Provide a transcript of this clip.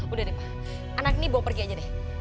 udah deh pa anak ini bawa pergi aja deh